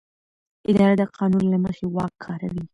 اداره د قانون له مخې واک کاروي.